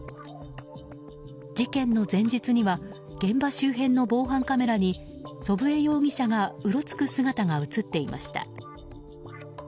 事件の前日には現場周辺の防犯カメラに祖父江容疑者がうろつく姿が映っていました。